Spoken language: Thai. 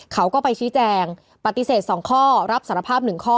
เขาก็ไปชี้แจงปฏิเสธ๒ข้อรับสารภาพ๑ข้อ